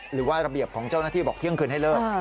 หรือว่าระเบียบของเจ้าหน้าที่บอกเที่ยงคืนให้เลิก